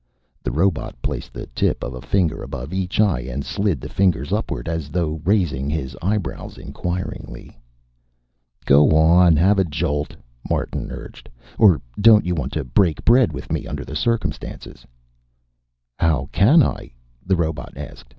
The robot placed the tip of a finger above each eye and slid the fingers upward, as though raising his eyebrows inquiringly. "Go on, have a jolt," Martin urged. "Or don't you want to break bread with me, under the circumstances?" "How can I?" the robot asked.